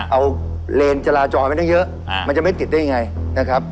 เอาเลนจราจรไปตั้งเยอะมันจะไม่ติดได้ยังไงนะครับ